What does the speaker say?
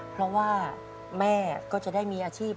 เพราะว่าแม่ก็จะได้มีอาชีพ